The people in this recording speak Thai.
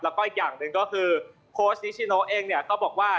แล้วก็อีกอย่างหนึ่งก็คือโค้ชนิชิโนเองเนี่ยก็บอกว่า